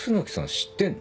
知ってんの？